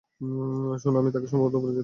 শোনো, আমি তাকে সম্ভবত উপরে যেতে দেখেছি।